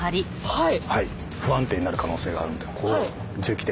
はい。